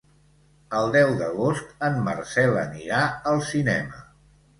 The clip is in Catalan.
El deu d'agost en Marcel anirà al cinema.